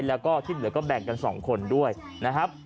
แล้วก็ที่เหลือก็แบ่งกัน๒คนด้วยนะครับ